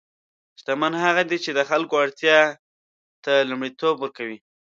شتمن هغه دی چې د خلکو اړتیا ته لومړیتوب ورکوي.